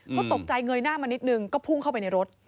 เขาตกใจเงยหน้ามานิดนึงก็พุ่งเข้าไปในรถ